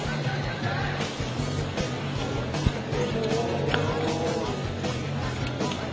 เวลาที่มันได้รู้จักกันแล้วเวลาที่ไม่รู้จักกัน